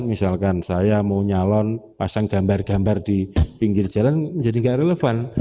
misalkan saya mau nyalon pasang gambar gambar di pinggir jalan menjadi nggak relevan